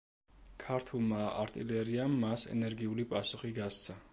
ქართულმა არტილერიამ მას ენერგიული პასუხი გასცა.